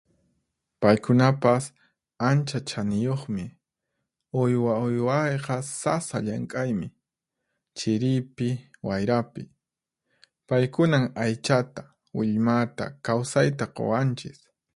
Paykunapas ancha chaniyuqmi. Uywa uywayqa sasa llank'aymi, chiripi, wayrapi. Paykunan aychata, willmata, kawsayta quwanchis.